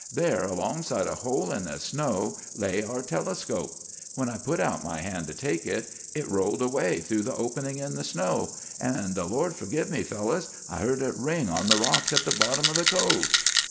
There, alongside a hole in the snow, lay our telescope. When I put out my hand to take it, it rolled away through the opening in the snow; and the Lord forgive me, fellows, I heard it ring on the rocks at the bottom of the Cove."